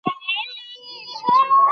د مرغۍ بچي به الوتل زده کړي.